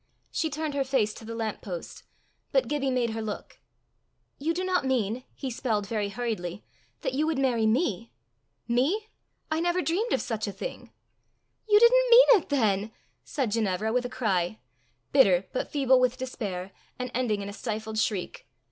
She turned her face to the lamp post. But Gibbie made her look. "You do not mean," he spelled very hurriedly, "that you would marry me? Me? I never dreamed of such a thing!" "You didn't mean it then!" said Ginevra, with a cry bitter but feeble with despair and ending in a stifled shriek.